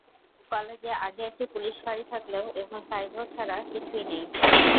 কলেজে আগে একটি পুলিশ ফাঁড়ি থাকলেও এখন সাইনবোর্ড ছাড়া কিছুই নেই।